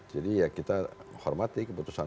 jadi ya kita hormati keputusan